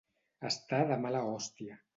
Estar de mala hòstia.